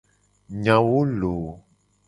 Nyawo loooo.